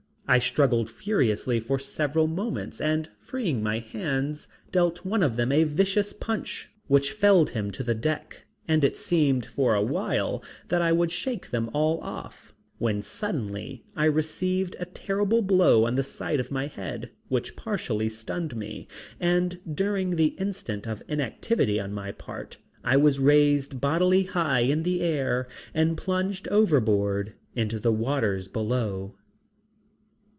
I struggled furiously for several moments and freeing my hands, dealt one of them a vicious punch which felled him to the deck, and it seemed for awhile that I would shake them all off, when suddenly I received a terrible blow on the side of my head which partially stunned me, and during the instant of inactivity on my part I was raised bodily high in the air and plunged overboard into the waters below.